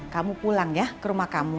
kamu pulang ya ke rumah kamu